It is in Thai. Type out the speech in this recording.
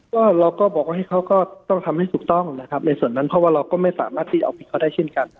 ก็เราก็บอกว่าให้เขาก็ต้องทำให้ถูกต้องนะครับในส่วนนั้นเพราะว่าเราก็ไม่สามารถที่เอาผิดเขาได้เช่นกัน